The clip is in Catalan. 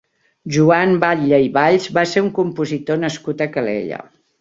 Joan Batlle i Valls va ser un compositor nascut a Calella.